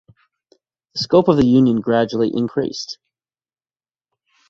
The scope of the union gradually increased.